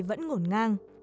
vẫn ngổn ngang